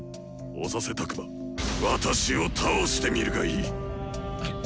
押させたくば私を倒してみるがいい！